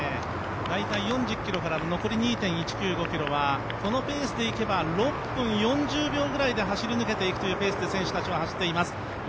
大体、４０ｋｍから残り２．１９５ｋｍはこのペースでいけば６分４０秒ぐらいで走り抜けていくというペースで選手たちは走っています